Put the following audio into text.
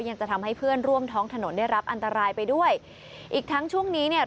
จะทำให้เพื่อนร่วมท้องถนนได้รับอันตรายไปด้วยอีกทั้งช่วงนี้เนี่ย